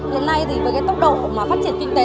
hôm nay với tốc độ phát triển kinh tế